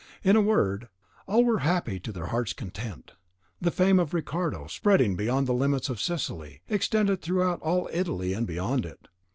In a word, all were happy to their heart's content; and the fame of Ricardo, spreading beyond the limits of Sicily, extended throughout all Italy and beyond it.